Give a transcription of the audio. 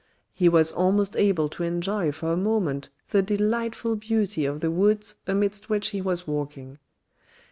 He was almost able to enjoy for a moment the delightful beauty of the woods amidst which he was walking.